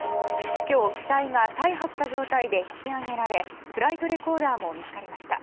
今日、機体が大破した状態で引き揚げられフライトレコーダーも見つかりました。